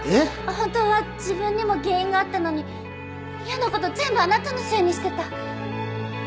本当は自分にも原因があったのに嫌な事全部あなたのせいにしてた。